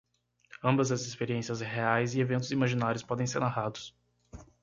Ambas as experiências reais e eventos imaginários podem ser narrados.